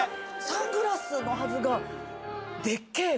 サングラスのはずがでっけぇ